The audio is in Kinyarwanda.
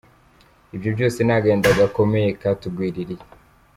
Ibyo byose ni agahinda gakomeye katugwiririye.